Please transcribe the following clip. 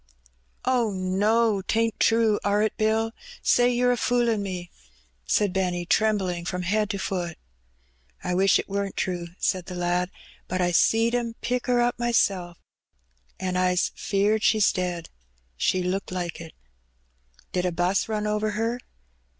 '^ Oh, no ! 't ain't true, are it. Bill ? Say yer a foolin' me," said Benny, trembling from head to foot. " I wish it weren't true," said the lad ;" but I seed 'em pick her up mysel', an' I's 'feared she's dead; she looked like it." '^Did a 'bus run over her?"